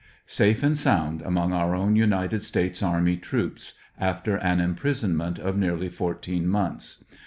— Safe and sound among our own United States Army troops, after an imprisonment of nearly fourteen months.